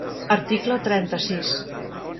Article trenta-sis.